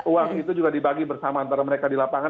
uang itu juga dibagi bersama antara mereka di lapangan